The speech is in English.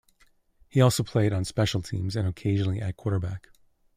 He also played on special teams and occasionally at quarterback.